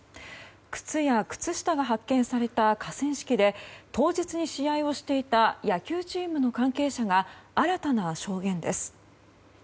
靴や靴下が発見された河川敷で当日に試合をしていた野球チームの関係者が新たな証言です。